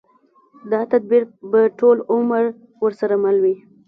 دا تدبير به ټول عمر ورسره مل وي.